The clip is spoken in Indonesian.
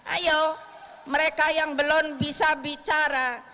ayo mereka yang belum bisa bicara